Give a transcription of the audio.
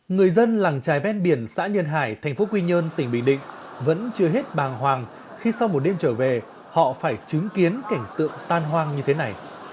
người dân làng trài ven biển xã nhân hải thành phố quy nhơn tỉnh bình định vẫn chưa hết bàng hoàng khi sau một đêm trở về họ phải chứng kiến cảnh tượng tan hoang như thế này